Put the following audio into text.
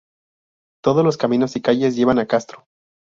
Todos los caminos y calles lleven a Kastro.